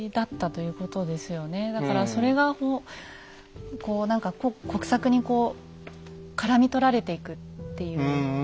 だからそれがこう何か国策にからめ捕られていくっていう。